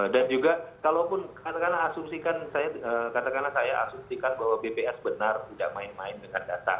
dan juga kalau pun katakanlah saya asumsikan bahwa bps benar tidak main main dengan data